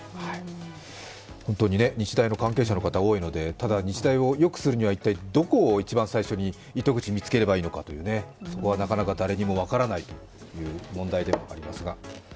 本当に日大の関係者の方多いので、日大をよくするには一体どこをいちばん最初に糸口見つければいいのか、そこはなかなか誰にも分からないという問題でもありますが。